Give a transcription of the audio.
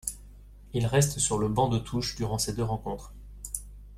Il reste sur le banc de touche durant ces deux rencontres.